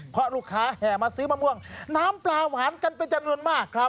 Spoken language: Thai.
เพราะลูกค้าแห่มาซื้อมะม่วงน้ำปลาหวานกันเป็นจำนวนมากครับ